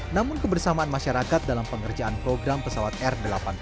namun kebersamaan masyarakat dalam pengerjaan program pesawat r delapan puluh